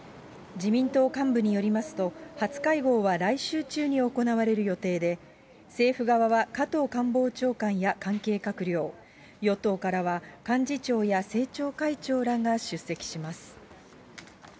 自民党幹部によりますと、初会合は来週中に行われる予定で、政府側は、加藤官房長官や関係閣僚、与党からは幹事長や政調会長らが出席します。